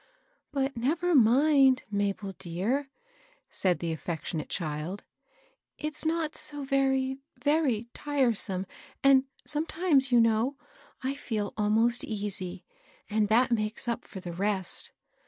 ^^ But never mind, Mabel dear," said the affec tionate child ;" it's not so very, veri/ tiresome, and sometimes, you know, I feel almost easy^ and that makes up for the rest.